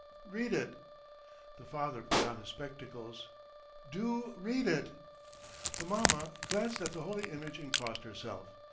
"Read it!" The father put on his spectacles. "Do read it!" The mamma glanced at the holy image and crossed herself.